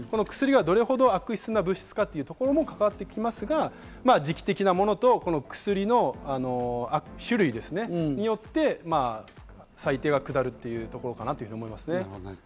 どれほど悪質な物質かというところも関わってきますが時期的なものと薬の種類によって裁定が下るというところかなと思います。